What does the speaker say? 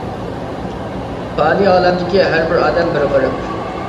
پانىي ئالەمدىكى ھەر بىر ئادەم بىر غېرىب.